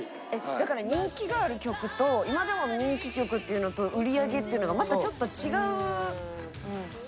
だから人気がある曲と今でも人気曲っていうのと売り上げっていうのがまたちょっと違う感じなんですかね。